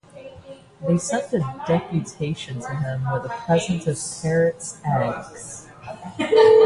They send a deputation to him with a present of parrots' eggs.